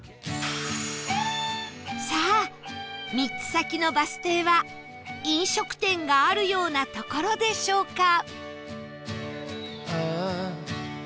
さあ３つ先のバス停は飲食店があるような所でしょうか？